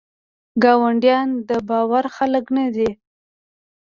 ګاونډیان دباور خلګ نه دي.